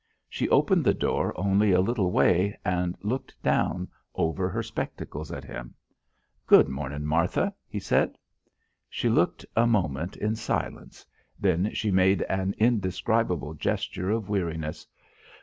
She opened the door only a little way and looked down over her spectacles at him. "Good mornin' Martha," he said. She looked a moment in silence. Then she made an indescribable gesture of weariness.